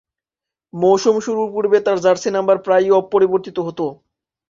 মৌসুম শুরুর পূর্বে তার জার্সি নাম্বার প্রায়ই পরিবর্তিত হত।